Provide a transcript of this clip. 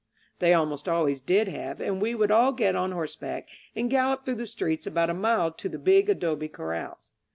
They almost always did have, and we would all get on horseback and gallop through the streets about a mile to the big adobe corrals.